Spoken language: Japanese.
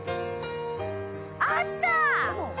あった！